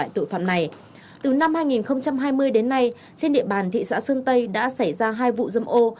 từ năm hai nghìn hai mươi đến nay trên địa bàn thị xã sơn tây đã xảy ra hai vụ dâm ô